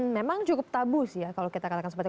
memang cukup tabu sih ya kalau kita katakan seperti itu